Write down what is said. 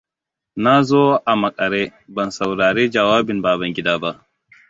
Na zo a makare ban saurari jawabin Babangida ba.